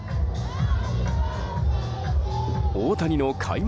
大谷の開幕